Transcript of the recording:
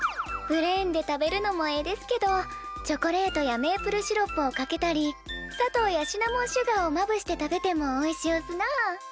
プレーンで食べるのもええですけどチョコレートやメープルシロップをかけたり砂糖やシナモンシュガーをまぶして食べてもおいしおすなあ。